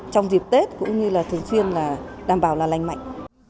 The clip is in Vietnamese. trong dịp tết cũng như là thường xuyên là đảm bảo là lành mạnh